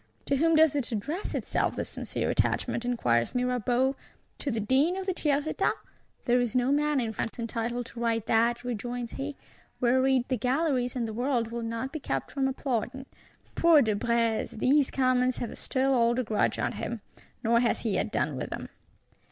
—'To whom does it address itself, this sincere attachment?' inquires Mirabeau. 'To the Dean of the Tiers Etat.'—'There is no man in France entitled to write that,' rejoins he; whereat the Galleries and the World will not be kept from applauding. Poor De Brézé! These Commons have a still older grudge at him; nor has he yet done with them.